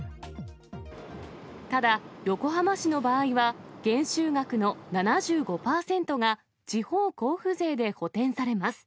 ただ、横浜市の場合は、減収額の７５％が地方交付税で補填されます。